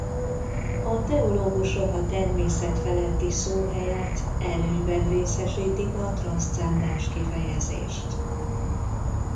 A teológusok a természetfeletti szó helyett előnyben részesítik a transzcendens kifejezést.